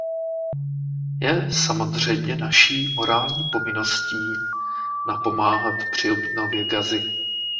Je samozřejmě naší morální povinností napomáhat při obnově Gazy.